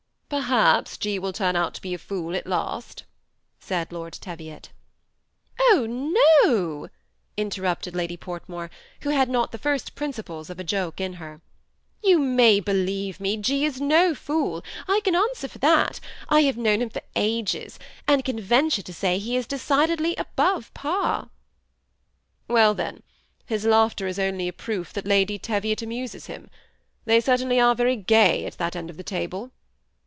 " Perhaps G. will turn out to be a fool at last," said Lord Teviot. " Oh, no !" interrupted Lady Portmore, who had not the first principles of a joke in her ;" you may believe me, G. is no fool. I can answer for that ; I have known him for ages, and can venture to say he is decidedly above par." " Well, then, his laughter is only a proof that Lady Teviot amuses him; they certainly are very gay at that end of the table."